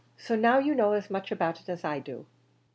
So now you know as much about it as I do."